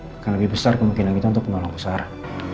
maka lebih besar kemungkinan kita untuk menolong pusara